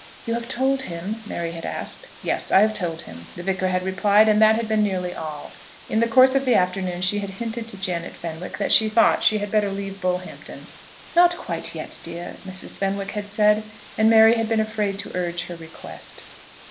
"You have told him?" Mary had asked. "Yes, I have told him," the Vicar had replied; and that had been nearly all. In the course of the afternoon she had hinted to Janet Fenwick that she thought she had better leave Bullhampton. "Not quite yet, dear," Mrs. Fenwick had said, and Mary had been afraid to urge her request.